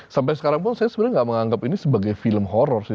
sampai sekarang pun saya sebenarnya nggak menganggap ini sebagai film horror sih